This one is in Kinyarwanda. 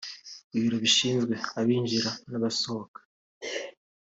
ibiro bishinzwe abinjira n’abasohoka